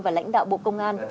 và lãnh đạo bộ công an